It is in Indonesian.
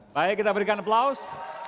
baik kita berikan aplaus